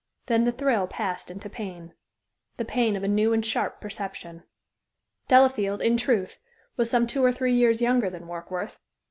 Then the thrill passed into pain the pain of a new and sharp perception. Delafield, in truth, was some two or three years younger than Warkworth.